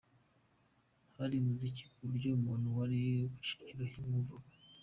Hari umuziki ku buryo umuntu wari ku Kicukiro yawumvaga.